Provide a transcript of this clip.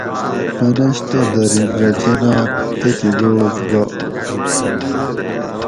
مننش تو دھرین رہ جناۤت تتھی دوس گا